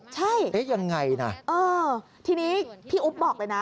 ใช่เอ๊ะยังไงนะเออทีนี้พี่อุ๊บบอกเลยนะ